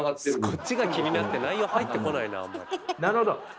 こっちが気になって内容入ってこないなあんまり。